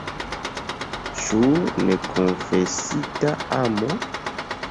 Ĉu nekonfesita amo?